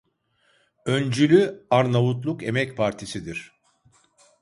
Öncülü Arnavutluk Emek Partisi'dir.